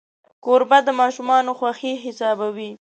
کوربه د ماشومانو خوښي حسابوي.